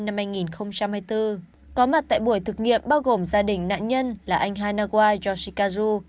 năm hai nghìn hai mươi bốn có mặt tại buổi thực nghiệm bao gồm gia đình nạn nhân là anh hanawa yoshikaju